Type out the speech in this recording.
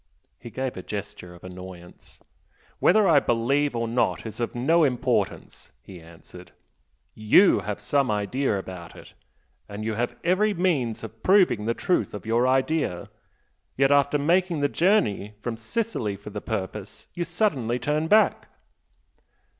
He gave a gesture of annoyance. "Whether I believe or not is of no importance," he answered "YOU have some idea about it, and you have every means of proving the truth of your idea yet, after making the journey from Sicily for the purpose, you suddenly turn back!"